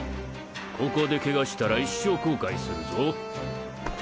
ココでケガしたら一生後悔するぞ。